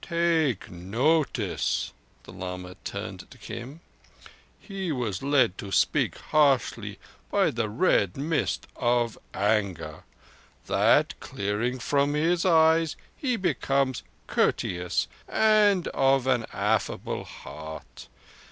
"Take notice." The lama turned to Kim. "He was led to speak harshly by the Red Mist of anger. That clearing from his eyes, he becomes courteous and of an affable heart.